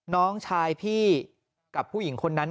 น้องชายพี่กับผู้หญิงคนนั้น